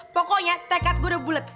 pokoknya tekad gue udah bulep